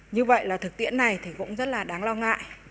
như vậy là thực tiễn này thì cũng rất là đáng lo ngại